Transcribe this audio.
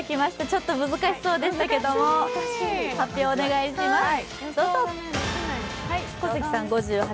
ちょっと難しそうでしたけれども発表をお願いします。